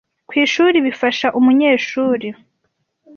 ku ishuri bifasha umunyeshuri